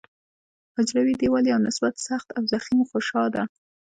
حجروي دیوال یو نسبت سخت او ضخیم غشا ده.